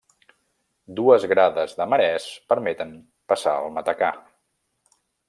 Dues grades de marès permeten passar el matacà.